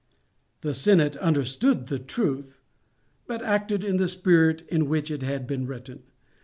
The senate understood the truth, but acted in the spirit in which he had written.